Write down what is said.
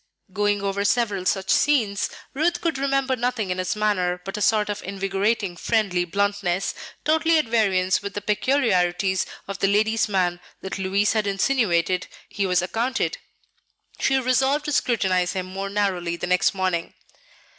Going over several such scenes, Ruth could remember nothing in his manner but a sort of invigorating, friendly bluntness, totally at variance with the peculiarities of the "lady's man" that Louis had insinuated he was accounted. She resolved to scrutinize him more narrowly the next morning.